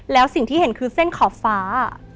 แล้วสิ่งที่เห็นคือเส้นขอบฟ้า